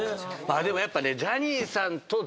でもやっぱね。